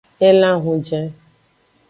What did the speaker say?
Elan ehunjen.